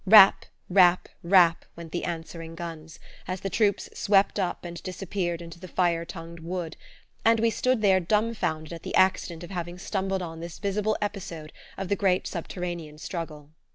Rap, rap, rap, went the answering guns, as the troops swept up and disappeared into the fire tongued wood; and we stood there dumbfounded at the accident of having stumbled on this visible episode of the great subterranean struggle.